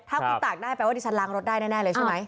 ถ้าคุณตากได้แปลว่าดิฉันล้างรถได้แน่เลยใช่ไหม